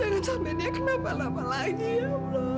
jangan sampai dia kenapa napa lagi ya allah